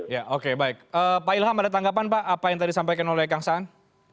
ya oke baik pak ilham ada tanggapan pak apa yang tadi disampaikan oleh kang saan